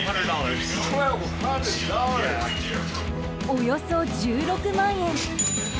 およそ１６万円。